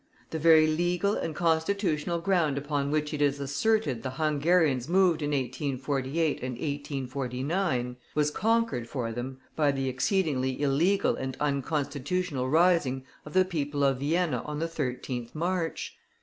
The very legal and constitutional ground upon which it is asserted the Hungarians moved in 1848 and 1849 was conquered for them by the exceedingly illegal and unconstitutional rising of the people of Vienna on the 13th March.